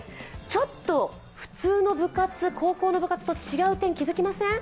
ちょっと普通の高校の部活と違う点、気付きません？